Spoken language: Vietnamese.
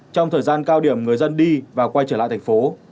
trong thời gian cao điểm người dân đi và quay trở lại thành phố